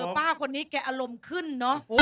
ป้าคนนี้แกอารมณ์ขึ้นเนอะ